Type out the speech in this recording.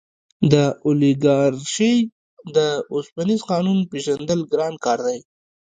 د اولیګارشۍ د اوسپنیز قانون پېژندل ګران کار دی.